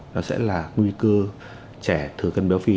nó sẽ là nguy cơ trẻ thừa cân béo phì